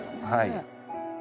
はい。